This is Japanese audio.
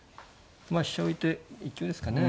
まあ飛車浮いて勢いですかね。